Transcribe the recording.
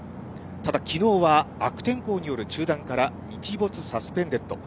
ただ、きのうは悪天候による中断から日没サスペンデッド。